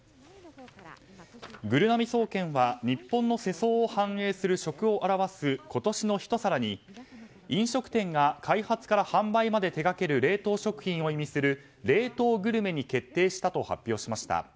ぐるなび総研は日本の世相を反映する食を表す今年の一皿に、飲食店が開発から販売まで手掛ける冷凍食品を意味する冷凍グルメに決定したと発表しました。